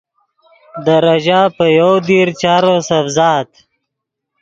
دے ریژہ پے یَوۡ دیر چارو سڤزاد